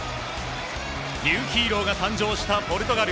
ニューヒーローが誕生したポルトガル。